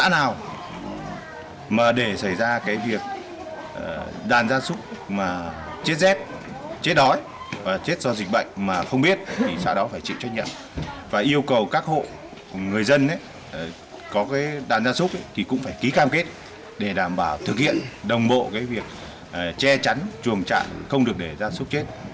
người dân có đàn gia súc thì cũng phải ký cam kết để đảm bảo thực hiện đồng bộ việc che chắn trường trạng không được để gia súc chết